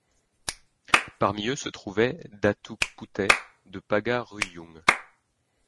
Parmi eux se trouvait Datuk Puteh de Pagar Ruyung.